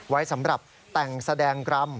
ไว้สำหรับแต่งแสดงกรรม